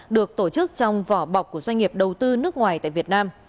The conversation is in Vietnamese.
được tổ chức trong vỏ bọc của doanh nghiệp đầu tư nước ngoài tại việt nam